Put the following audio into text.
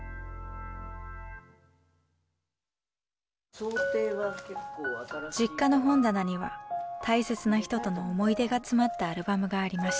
実家の本棚には大切な人との思い出が詰まったアルバムがありました。